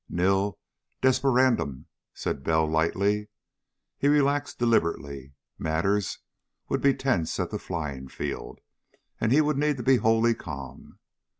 "Nil desperandum," said Bell lightly. He relaxed deliberately. Matters would be tense at the flying field, and he would need to be wholly calm.